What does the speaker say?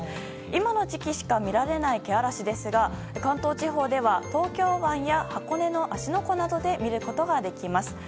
今の時期しか見られない気嵐ですが関東地方では東京湾や箱根の芦ノ湖などで見ることができます。